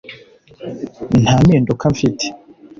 nta mpinduka mfite